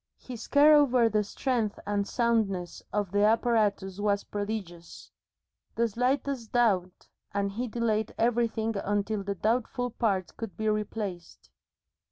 His care over the strength and soundness of the apparatus was prodigious. The slightest doubt, and he delayed everything until the doubtful part could be replaced.